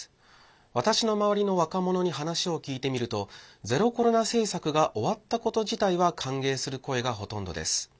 私の周りの若者に話を聞いてみるとゼロコロナ政策が終わったこと自体は歓迎する声がほとんどです。